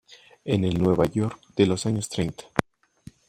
En el Nueva York de los años treinta.